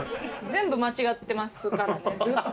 全部間違ってますからねずっと。